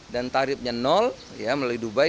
dan tarifnya melalui dubai